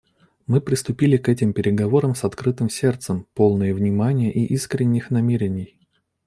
Мы приступили к этим переговорам с открытым сердцем, полные внимания и искренних намерений.